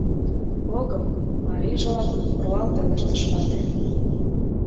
— Огым! — марийжылак руал пелештыш вате.